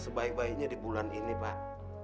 sebaik baiknya di bulan ini pak